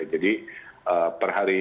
jadi per hari ini